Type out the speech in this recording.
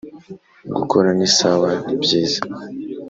gukora ni… sawa, ni byiza.